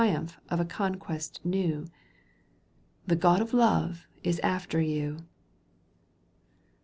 81 The trimnph of a conquest new. The God of Love is after you !